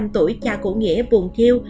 bốn mươi năm tuổi cha của nghĩa buồn thiêu